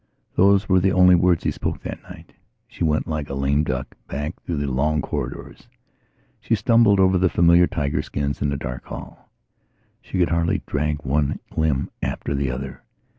Those were the only words he spoke that night. She went, like a lame duck, back through the long corridors; she stumbled over the familiar tiger skins in the dark hall. She could hardly drag one limb after the other.